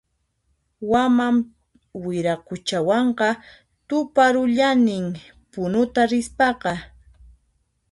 Waman Wiraquchawanqa tuparullanin Punuta rispaqa